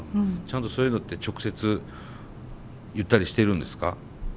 ちゃんとそういうのって直接言ったりしているんですか？